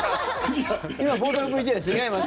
今、冒頭のＶＴＲ違います。